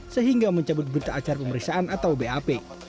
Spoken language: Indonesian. sehingga mencabut berita acara pemeriksaan atau bap